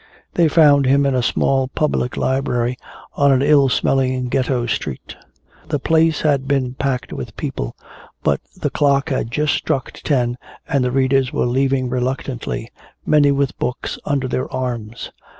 They found him in a small public library on an ill smelling ghetto street. The place had been packed with people, but the clock had just struck ten and the readers were leaving reluctantly, many with books under their arms.